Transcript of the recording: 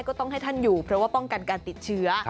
ก็ต้องให้ท่านอยู่เพราะว่าป้องกันการติดเชื้อ